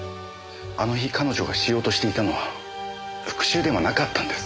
あの日彼女がしようとしていたのは復讐ではなかったんです。